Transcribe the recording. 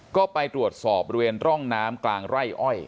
ก็ไปตรวจสอบบริเวณร่องน้ำกลางไร่อ้อย